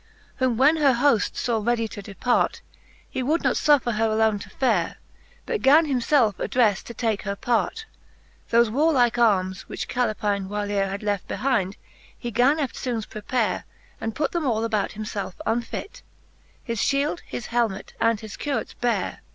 VIII. Whom when her Hoft faw readie to depart. He would not fufFer her alone to fare. But gan himfelfe addrefle to take her part. Thofe warlike armes, which Calepine whyleare Had left behind, he gan eftfoones prepare, And put them all about himfelfe unfit, His fhield, his helmet, and his curats bare.